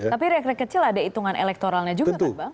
tapi reak riak kecil ada hitungan elektoralnya juga kan bang